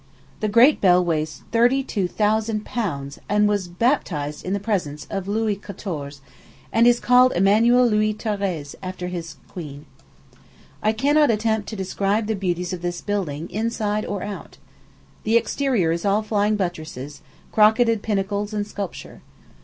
The great bell weighs thirty two thousand pounds, and was baptized in presence of Louis XIV., and is called Emanuel Louise Therese, after his queen. I cannot attempt to describe the beauties of this building, inside or out. The exterior is all flying buttresses, crocketed pinnacles, and sculpture.